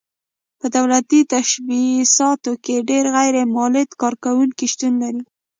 په دولتي تشبثاتو کې ډېر غیر مولد کارکوونکي شتون لري.